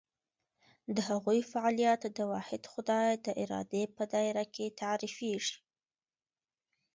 د هغوی فعالیت د واحد خدای د ارادې په دایره کې تعریفېږي.